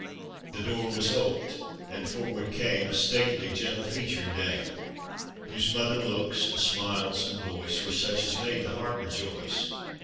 — The door was ope'd and forward came, A stately, gentle featured dame, Whose mother looks, and smiles and voice, Were such as made the heart rejoice.